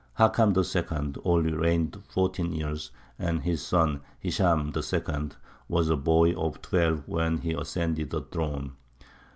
Hakam II. only reigned fourteen years, and his son, Hishām II., was a boy of twelve when he ascended the throne.